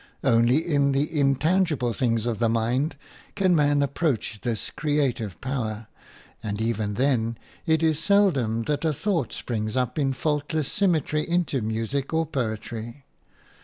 Only in the intangible things of the mind can man approach this creative power, and even then it is seldom that a thought springs up in faultless symmetry into music or poetry.